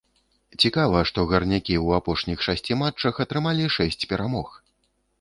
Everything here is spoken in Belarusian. Цікава, што гарнякі ў апошніх шасці матчах атрымалі шэсць перамог!